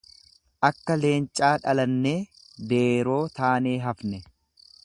Akka leencaa dhalannee, deeroo taanee hafne.